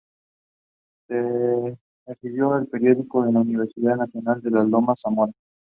Se recibió de periodista en la Universidad Nacional de Lomas de Zamora.